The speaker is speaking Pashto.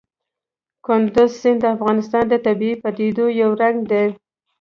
کندز سیند د افغانستان د طبیعي پدیدو یو رنګ دی.